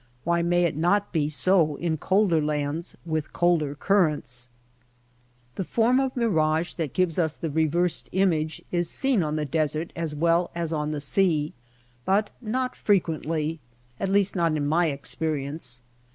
Why may it not be so in colder lands with colder currents ? The form of mirage that gives us the reversed image is seen on the desert as well as on the sea ; but not frequently — at least not in my ex perience.